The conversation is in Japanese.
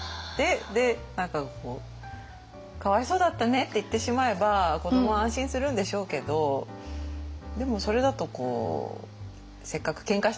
何かこう「かわいそうだったね」って言ってしまえば子どもは安心するんでしょうけどでもそれだとせっかくけんかした意味がないっていうか